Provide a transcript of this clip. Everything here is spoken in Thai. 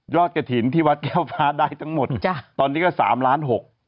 ยอดกระถินที่วัดแก้วฟ้าได้ทั้งหมดตอนนี้ก็๓ล้าน๖